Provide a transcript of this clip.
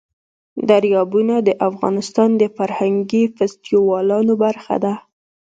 دریابونه د افغانستان د فرهنګي فستیوالونو برخه ده.